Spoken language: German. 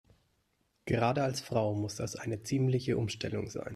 Gerade als Frau muss das eine ziemliche Umstellung sein.